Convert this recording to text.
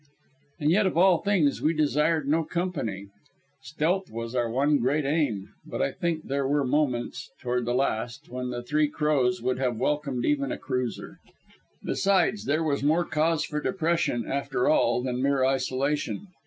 And yet, of all things, we desired no company. Stealth was our one great aim. But I think there were moments toward the last when the Three Crows would have welcomed even a cruiser. Besides, there was more cause for depression, after all, than mere isolation.